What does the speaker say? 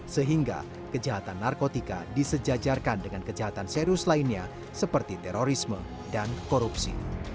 sehingga kejahatan narkotika disejajarkan dengan kejahatan serius lainnya seperti terorisme dan korupsi